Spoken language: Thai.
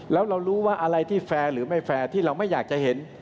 แล้วเรารู้ว่าอะไรที่แฟร์หรือไม่แฟร์ที่เราไม่อยากจะเห็น